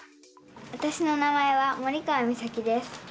わたしの名前は森川実咲です。